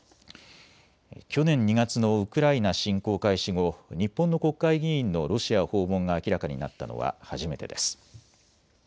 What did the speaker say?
去年２月のウクライナ侵攻開始後、日本の国会議員のロシア訪問が明らかになったのは初めてです。